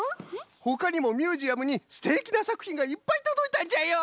ほかにもミュージアムにすてきなさくひんがいっぱいとどいたんじゃよ！